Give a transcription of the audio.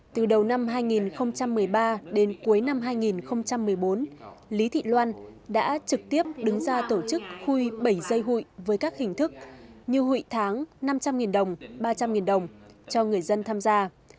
từ đầu năm hai nghìn một mươi ba đến cuối năm hai nghìn một mươi bốn lý thị loan đã trực tiếp đứng ra tổ chức khuy bảy dây hụi với các hình thức như hụi tháng năm trăm linh đồng ba trăm linh đồng cho người dân tham gia